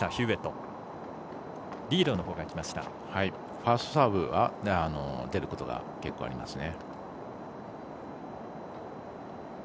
ファーストサーブは出ることが結構ありますね。